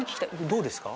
どうですか？